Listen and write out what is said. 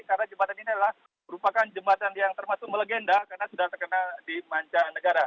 karena jembatan ini adalah merupakan jembatan yang termasuk melegenda karena sudah terkena di manca negara